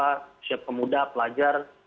syarikat pemuda pelajar